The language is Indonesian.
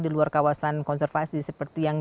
di luar kawasan konservasi seperti yang